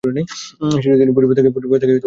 সেই সূত্রে তিনি পরিবার থেকেই অনুপ্রেরণা পেয়েছেন।